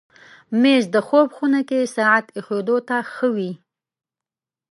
مېز د خوب خونه کې ساعت ایښودو ته ښه وي.